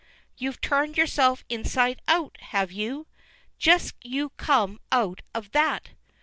you've turned yourself inside out, have you? Just you come out of that!"